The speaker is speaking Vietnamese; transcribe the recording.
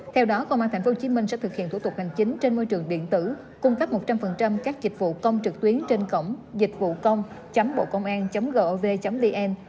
theo đó công an tp hcm sẽ thực hiện thủ tục hành chính trên môi trường điện tử cung cấp một trăm linh các dịch vụ công trực tuyến trên cổng dịchvucông bộcôngan gov vn